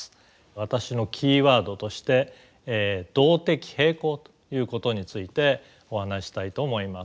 私のキーワードとして動的平衡ということについてお話ししたいと思います。